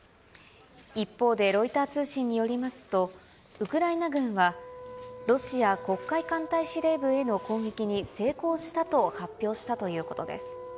一方でロイター通信によりますと、ウクライナ軍はロシア黒海艦隊司令部への攻撃に成功したと発表したということです。